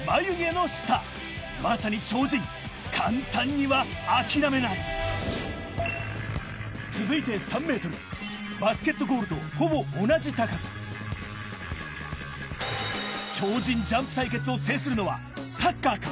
まさに超人簡単には諦めない続いて３ｍバスケットゴールとほぼ同じ高さ超人ジャンプ対決を制するのはサッカーか？